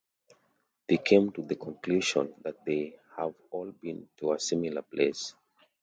They come to the conclusion that they have all been to a similar place.